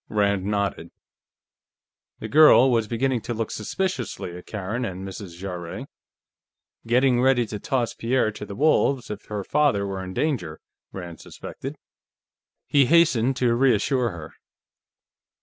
Rand nodded. The girl was beginning to look suspiciously at Karen and Mrs. Jarrett. Getting ready to toss Pierre to the wolves if her father were in danger, Rand suspected. He hastened to reassure her.